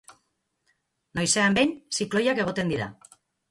Noizean behin, zikloiak egoten dira.